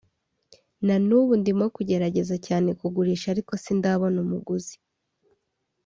“Na n’ubu ndimo kugerageza cyane kugurisha ariko sindabona umuguzi